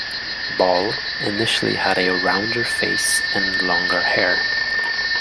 Ball initially had a rounder face and longer hair.